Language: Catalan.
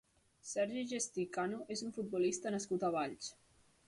Sergi Gestí Cano és un futbolista nascut a Valls.